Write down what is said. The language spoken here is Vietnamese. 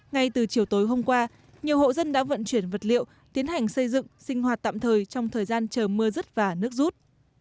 ngay từ chiều tối hôm qua nhiều hộ dân đã vận chuyển vật liệu tiến hành xây dựng sinh hoạt tạm thời trong thời gian chờ mưa rứt và nước rút